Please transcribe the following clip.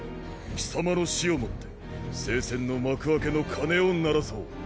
貴様の死をもって聖戦の幕開けの鐘を鳴らそう。